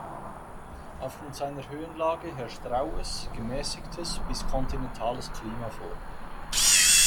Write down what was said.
Aufgrund seiner Höhenlage herrscht raues, gemäßigtes bis kontinentales Klima vor.